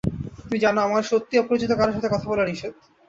তুমি জানো, আমার সত্যিই অপরিচিত কারো সাথে কথা বলা নিষেধ।